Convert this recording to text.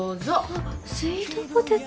わぁスイートポテト。